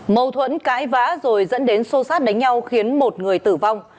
mâu thuẫn cãi vã rồi dẫn đến xô sát đánh nhau khiến một người tử vong